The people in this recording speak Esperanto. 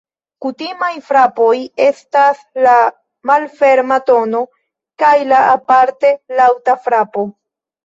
Kutimaj frapoj estas la malferma tono kaj la aparte laŭta frapo.